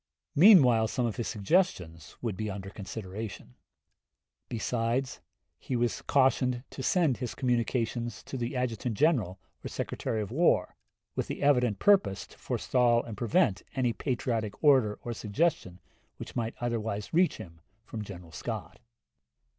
Meanwhile some of his suggestions would be under consideration; besides, he was cautioned to send his communications to the Adjutant General or Secretary of War, with the evident purpose to forestall and prevent any patriotic order or suggestion which might otherwise reach him from General Scott.